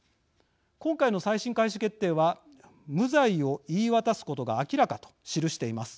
今回の再審開始決定は無罪を言い渡すことが明らかと記しています。